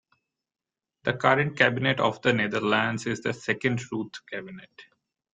The current cabinet of the Netherlands is the Second Rutte cabinet.